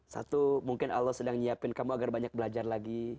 satu mungkin allah sedang nyiapin kamu agar banyak belajar lagi